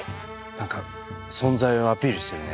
何か存在をアピールしてるね。